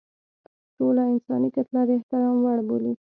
ټوله انساني کتله د احترام وړ بولي.